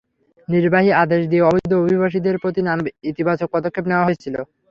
নির্বাহী আদেশ দিয়ে অবৈধ অভিবাসীদের প্রতি নানা ইতিবাচক পদক্ষেপ নেওয়া হয়েছিল।